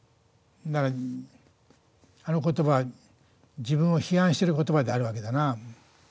あの言葉は、自分を批判してる言葉であるわけだな。